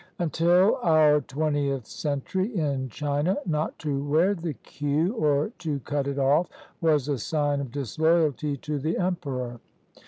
Until our twentieth century, in China, not to wear the queue, or to cut it off, was a sign of disloyalty to the emperor.